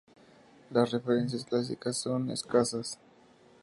La referencias clásicas son escasas.